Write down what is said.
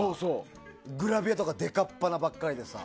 グラビアとかでかっ鼻ばっかりでさ